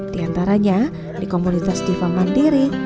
di antaranya di komunitas diva mandiri